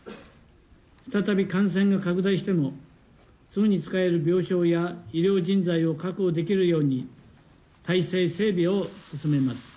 再び感染が拡大しても、すぐに使える病床や医療人材を確保できるように、体制整備を進めます。